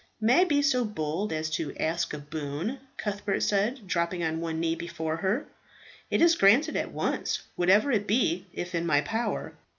"May I be so bold as to ask a boon?" Cuthbert said, dropping on one knee before her. "It is granted at once, whatever it be, if in my power."